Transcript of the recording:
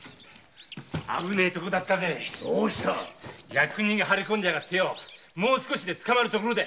役人が張り込んでいてよもう少しで捕まるところだ。